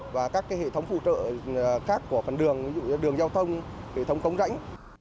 và các hệ thống phụ trợ khác của phần đường ví dụ như đường giao thông hệ thống cống rãnh